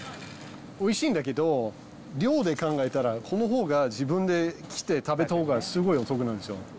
おいしいんだけど、量で考えたらこのほうが自分で切って食べたほうが、すごいお得なんですよ。